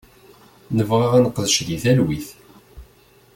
Nebɣa ad neqdec di talwit.